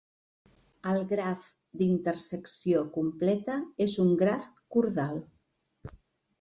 El graf d'intersecció completa és un graf cordal.